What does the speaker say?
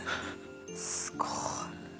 すごい。